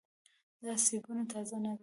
دا سیبونه تازه دي.